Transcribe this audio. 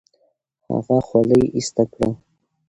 هغه خولۍ ایسته کړه.